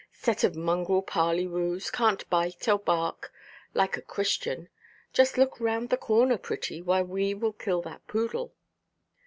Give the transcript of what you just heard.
Set of mongrel parley–woos, canʼt bark or bite like a Christian. Just look round the corner, pretty, while we kill that poodle."